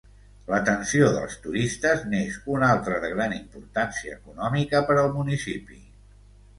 L'atenció dels turistes n'és una altra de gran importància econòmica per al municipi.